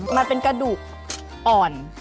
มันเป็นกระดูกอ่อน